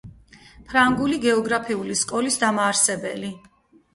ფრანგული გეოგრაფიული სკოლის დამაარსებელი.